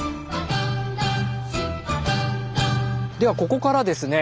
ではここからですね